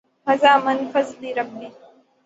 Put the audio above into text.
ھذا من فضْل ربی۔